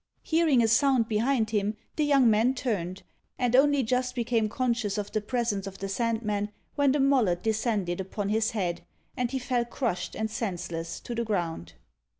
Hearing a sound behind him, the young man turned, and only just became conscious of the presence of the Sandman, when the mallet descended upon his head, and he fell crushed and senseless to the ground.